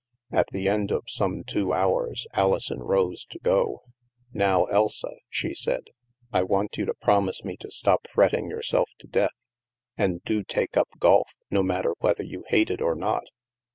At the end of some two hours, Alison rose to go. " Now, Elsa," she said, " I want you to promise me to stop fretting yourself to death; and do take up golf, no matter whether you hate it or not.